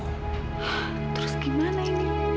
hah terus gimana ini